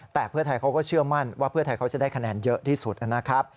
แต่เพื่อไทยเขาก็เชื่อมั่นว่าเพื่อไทยเขาจะได้คะแนนเยอะที่สุดนะครับ